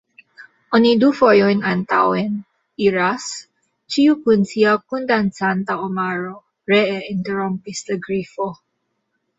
"Oni du fojojn antaŭen iras, ĉiu kun sia kundancanta omaro," ree interrompis la Grifo.